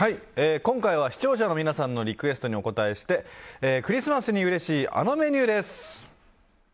今回は視聴者の皆さんのリクエストにお応えしてクリスマスにうれしいあのメニューです。